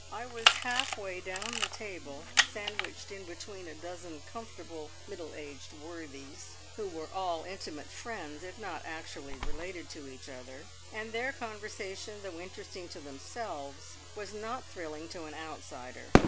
I was half way down the table, sandwiched in between a dozen comfortable, middle aged worthies, who were all intimate friends, if not actually related to each other, and their conversation, though interesting to themselves, was not thrilling to an outsider.